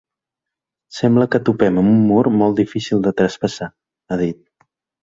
“Sembla que topem amb un mur molt difícil de traspassar”, ha dit.